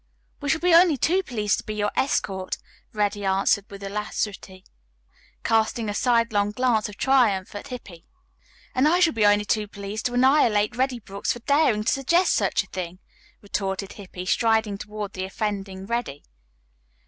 "We shall be only too pleased to be your escort," Reddy answered with alacrity, casting a sidelong glance of triumph at Hippy. "And I shall be only too pleased to annihilate Reddy Brooks for daring to suggest any such thing," retorted Hippy, striding toward the offending Reddy.